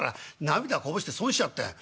涙こぼして損しちゃったよ。